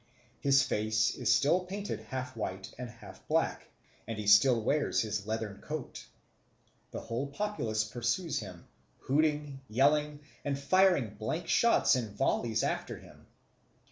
His face is still painted half white and half black, and he still wears his leathern coat. The whole populace pursues him, hooting, yelling, and firing blank shots in volleys after him.